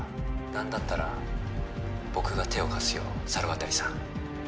何だったら僕が手を貸すよ猿渡さん